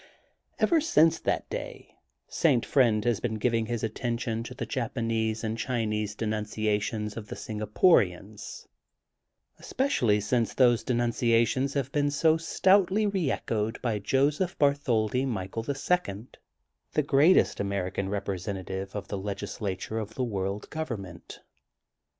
Ever since that day, St. Friend has been giving his attention to the Japanese and Chinese de nunciations of the Singaporians, especially since those denunciations have been so stoutly re echoed by Joseph Bartholdi Michael, the Second, the greatest American representative in the legislature of the World Government.